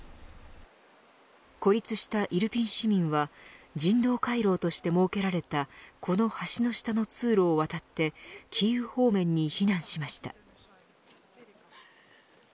孤立したイルピン市民は人道回廊として設けられたこの橋の下の通路を渡ってキーウ方面に避難しました。